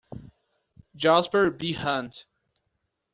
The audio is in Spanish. Jasper B. Hunt.